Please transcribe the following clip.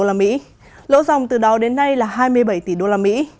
lỗ dòng từ đó đến nay là hai mươi bảy tỷ usd